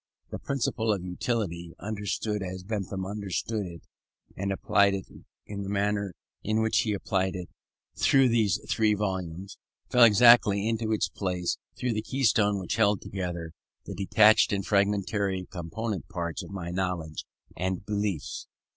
The "principle of utility," understood as Bentham understood it, and applied in the manner in which he applied it through these three volumes, fell exactly into its place as the keystone which held together the detached and fragmentary component parts of my knowledge and beliefs.